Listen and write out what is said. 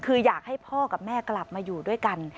คืออยากให้พ่อกับแม่กลับมาอยู่ด้วยกัน